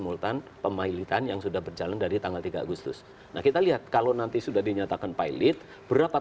memperangkatkan dengan apa